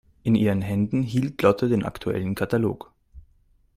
In ihren Händen hielt Lotte den aktuellen Katalog.